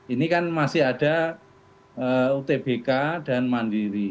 ini kan masih ada utbk dan mandiri